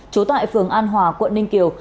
trú tại phường an hòa quận ninh kiều